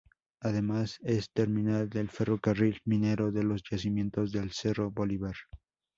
Además es terminal del ferrocarril minero de los yacimientos del Cerro Bolívar.